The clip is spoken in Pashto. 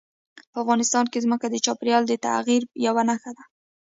په افغانستان کې ځمکه د چاپېریال د تغیر یوه نښه ده.